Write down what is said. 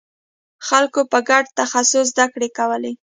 خلکو به ګډ تخصص زدکړې کولې.